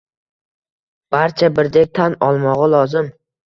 barcha birdek tan olmog‘i lozim